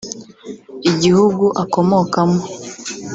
igihugu akomokamo